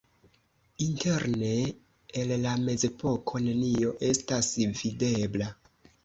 Interne el la mezepoko nenio estas videbla.